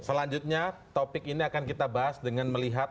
selanjutnya topik ini akan kita bahas dengan melihat